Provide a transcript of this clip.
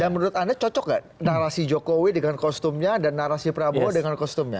dan menurut anda cocok nggak narasi jokowi dengan kostumnya dan narasi prabowo dengan kostumnya